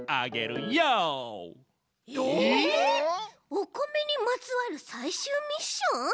お米にまつわるさいしゅうミッション！？